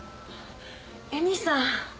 詠美さん。